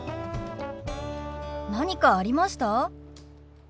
何かありました？